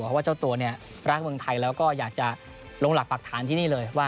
เพราะว่าเจ้าตัวเนี่ยรักเมืองไทยแล้วก็อยากจะลงหลักปรักฐานที่นี่เลยว่า